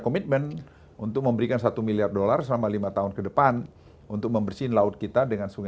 komitmen untuk memberikan satu miliar dollar selama lima tahun kedepan untuk membersihkan laut kita